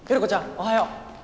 おはよう！